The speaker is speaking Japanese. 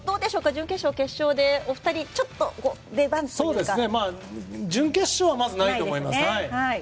準決勝、決勝でお二人の準決勝はないと思います。